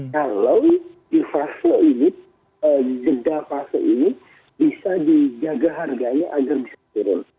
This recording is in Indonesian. kalau di fase flow ini jeda fase ini bisa dijaga harganya agar bisa turun